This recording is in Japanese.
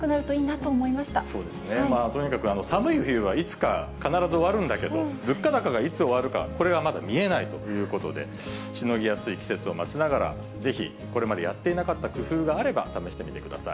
とにかく寒い冬はいつか必ず終わるんだけど、物価高がいつ終わるか、これはまだ見えないということで、しのぎやすい季節を待ちながら、ぜひ、これまでやっていなかった工夫があれば試してみてください。